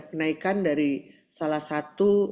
kenaikan dari salah satu